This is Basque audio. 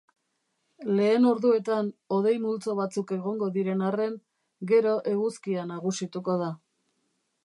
Lehen orduetan hodei multzo batzuk egongo diren arren, gero eguzkia nagusituko da.